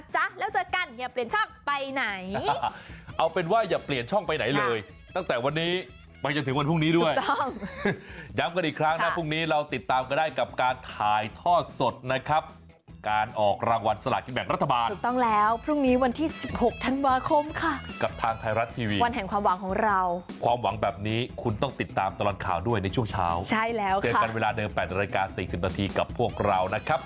เจอกันเวลาเดิม๘รายการ๔๐นาทีกับพวกเรานะครับ